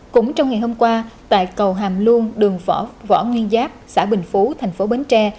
cũng trong ngày hôm qua tại cầu hàm luông đường võ nguyên giáp xã bình phú tp bến tre